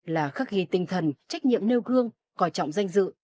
là khắc ghi tinh thần trách nhiệm nêu gương coi trọng danh dự